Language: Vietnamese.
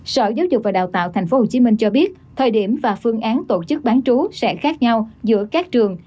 sở giáo dục và đào tạo tp hcm cho biết thời điểm và phương án tổ chức bán trú sẽ khác nhau giữa các trường